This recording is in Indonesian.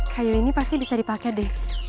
kayu ini pasti bisa dipakai deh